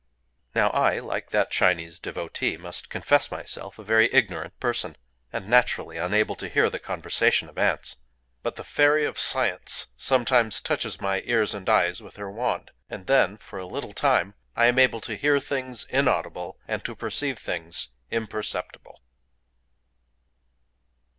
Now I, like that Chinese devotee, must confess myself a very ignorant person, and naturally unable to hear the conversation of Ants. But the Fairy of Science sometimes touches my ears and eyes with her wand; and then, for a little time, I am able to hear things inaudible, and to perceive things imperceptible.